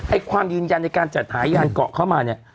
ความยืนยันในการจัดหายานเกาะเข้ามาเนี่ย